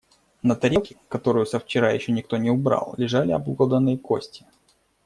На тарелке, которую со вчера ещё никто не убрал, лежали обглоданные кости.